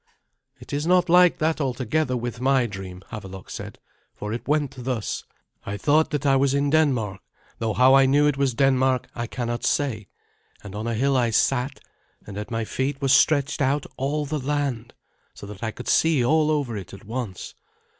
"It is not like that altogether with my dream," Havelok said, "for it went thus. I thought that I was in Denmark though how I knew it was Denmark I cannot say and on a hill I sat, and at my feet was stretched out all the land, so that I could see all over it at once.